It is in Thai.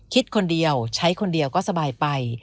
คิดคนเดียวใช้คนเดียวก็สบายไป